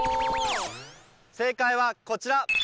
正解はこちら！